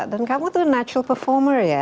dan kamu tuh natural performer ya